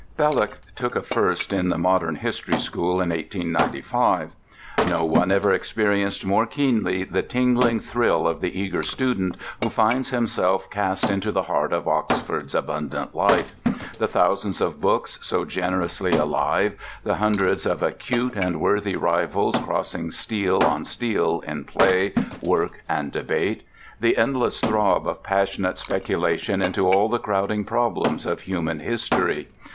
Belloc took a First in the Modern History School in 1895. No one ever experienced more keenly the tingling thrill of the eager student who finds himself cast into the heart of Oxford's abundant life: the thousands of books so generously alive; the hundreds of acute and worthy rivals crossing steel on steel in play, work, and debate; the endless throb of passionate speculation into all the crowding problems of human history.